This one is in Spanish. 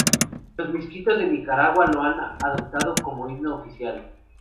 Los misquitos de Nicaragua lo han adoptado como himno oficial.